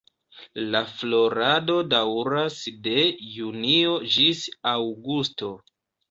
La florado daŭras de junio ĝis aŭgusto.